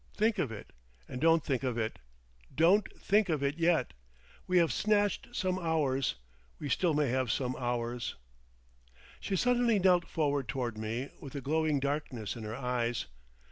Think of it—and don't think of it! Don't think of it yet. We have snatched some hours. We still may have some hours!" She suddenly knelt forward toward me, with a glowing darkness in her eyes.